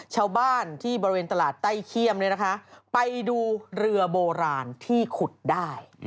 ชาวบ้านที่บริเวณตลาดใต้เขี้ยมเนี่ยนะคะไปดูเรือโบราณที่ขุดได้